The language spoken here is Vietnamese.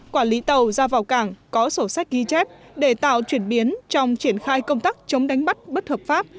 quản lý tàu ra vào cảng có sổ sách ghi chép để tạo chuyển biến trong triển khai công tác chống đánh bắt bất hợp pháp